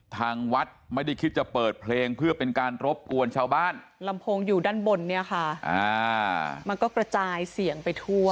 ทางวัดไม่ได้คิดจะเปิดเพลงเพื่อเป็นการรบกวนชาวบ้านลำโพงอยู่ด้านบนเนี่ยค่ะมันก็กระจายเสียงไปทั่ว